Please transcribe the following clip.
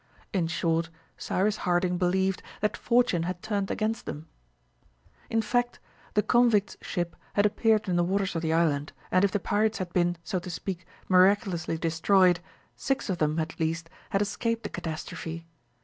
In short, Cyrus Harding believed that fortune had turned against them. In fact, the convicts' ship had appeared in the waters of the island, and if the pirates had been, so to speak, miraculously destroyed, six of them, at least, had escaped the catastrophe.